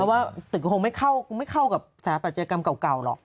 ว่าตึกก็คงไม่เข้ากับสถาปัตยกรรมเก่าหรอก